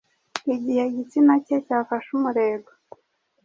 igihe igitsina cye cyafashe umurego.